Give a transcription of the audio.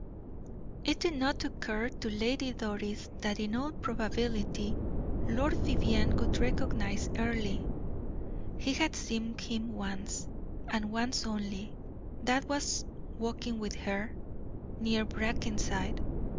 It did not occur to Lady Doris that in all probability Lord Vivianne would recognize Earle. He had seen him once, and once only that was walking with her, near Brackenside.